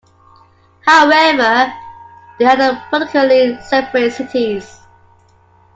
However, they are politically separate cities.